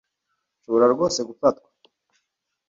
Nshobora rwose gufatwa